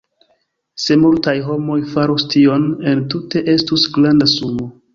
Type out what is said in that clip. Se multaj homoj farus tion, entute estus granda sumo.